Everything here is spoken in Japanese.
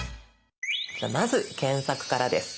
じゃあまず検索からです。